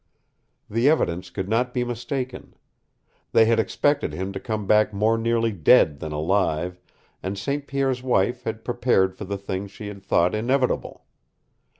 The evidence could not be mistaken. They had expected him to come back more nearly dead than alive, and St. Pierre's wife had prepared for the thing she had thought inevitable.